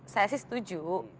saya sih setuju